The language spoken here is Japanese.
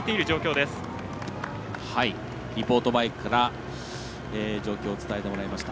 リポートバイクから状況を伝えてもらいました。